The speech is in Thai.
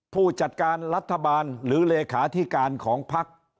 ผู้จัดการรัฐบาลหรือเลขาธิการของพัก